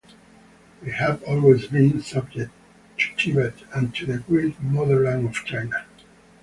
They have always been subject to Tibet and to the great motherland of China.